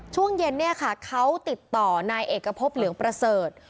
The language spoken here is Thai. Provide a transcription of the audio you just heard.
ช่วงเย็นเนี่ยค่ะเขาติดต่อนายเอกพบเหลืองประเสริฐ